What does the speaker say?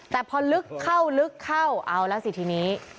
แต่พอลึกเข้าเอาแล้วสิทีนี้